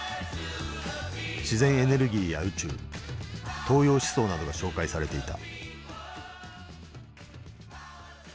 自然エネルギーや宇宙東洋思想などが紹介されていた。